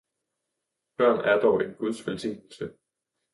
Børn er dog en Guds velsignelse.